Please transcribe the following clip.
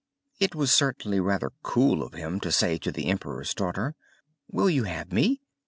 It was certainly rather cool of him to say to the Emperor's daughter, "Will you have me?"